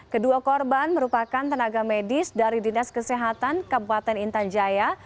kedua korban merupakan tenaga medis dari dinas kesehatan kabupaten intan jaya